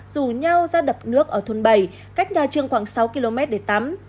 rủ nhau ra đập nước ở thôn bảy cách nhà trường khoảng sáu km để tắm